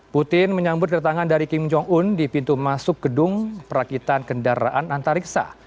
putin menyambut kedatangan dari kim jong un di pintu masuk gedung perakitan kendaraan antariksa